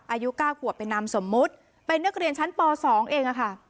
อายุก้าหัวไปนำสมมุติไปนักเรียนชั้นปสองเองอะค่ะ